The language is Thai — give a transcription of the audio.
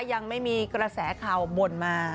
ยังไม่มีกระแสข่าวบ่นมา